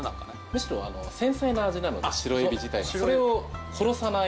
むしろ繊細な味なので白エビ自体がそれを殺さない。